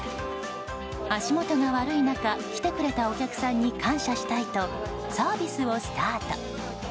足元が悪い中、来てくれたお客さんに感謝したいとサービスをスタート。